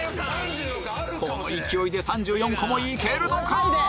この勢いで３４個もいけるのか？